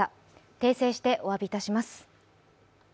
訂正してお詫びいたします。